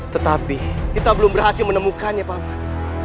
tetapi kita belum berhasil menemukannya pak man